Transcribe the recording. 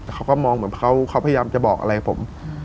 แต่เขาก็มองเหมือนเขาพยายามจะบอกอะไรผม